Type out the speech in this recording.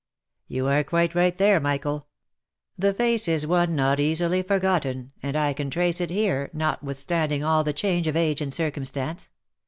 " You are quite right there, Michael. The face is one not easily forgotten, and I can trace it here, notwithstanding all the change of age and circumstance.